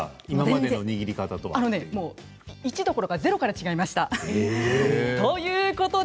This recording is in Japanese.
一どころかゼロから違いました。